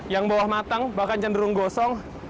yang bawah matang bahkan cenderung gosong